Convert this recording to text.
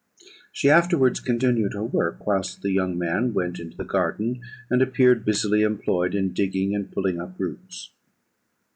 She afterwards continued her work, whilst the young man went into the garden, and appeared busily employed in digging and pulling up roots.